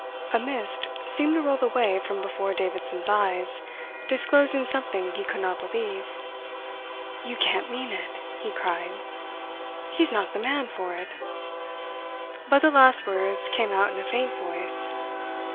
A mist seemed to roll away from before Davidson's eyes, disclosing something he could not believe. "You can't mean it!" he cried. "He's not the man for it." But the last words came out in a faint voice.